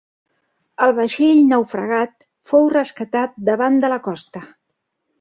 El vaixell naufragat fou rescatat davant de la costa.